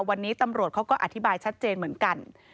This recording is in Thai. วันนี้ตำรวจเขาก็อธิบายชัดเจนเหมือนกัน